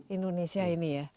indonesia ini ya